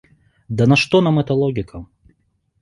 Да на что нам эта логика?